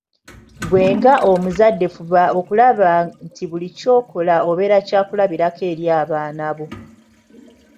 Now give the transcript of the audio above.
Ggwe nga omuzadde fuba okulaba nti buli ky’okola obeera kya kulabirako eri abaana bo.